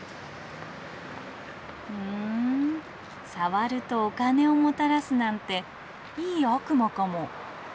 ふん触るとお金をもたらすなんていい悪魔かも。